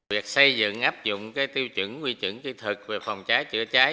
việc xây dựng áp dụng tiêu chuẩn quy chuẩn kỹ thuật về phòng cháy chữa cháy